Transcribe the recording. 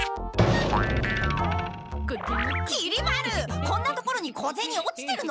きり丸こんな所に小ゼニ落ちてるの？